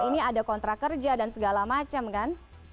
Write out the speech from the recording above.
ini ada kontrak kerja dan segala macam kan